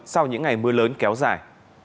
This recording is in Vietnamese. sau những ngày mưa lớn kéo dài